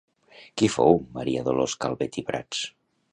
Qui fou Maria Dolors Calvet i Prats?